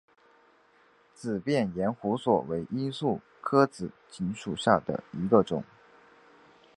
齿瓣延胡索为罂粟科紫堇属下的一个种。